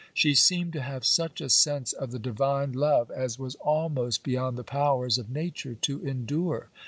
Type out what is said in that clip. She seemed to have such a sense of the Divine love as was almost beyond the powers of nature to endure.